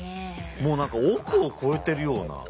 もう何か億を超えてるような。